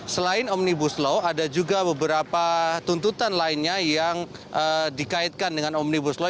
selain omnibus law ada juga beberapa tuntutan lainnya yang dikaitkan dengan omnibus law